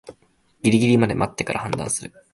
ギリギリまで待ってから判断する